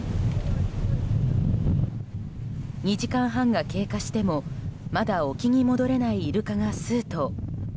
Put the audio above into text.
２時間半が経過してもまだ沖に戻れないイルカが数頭。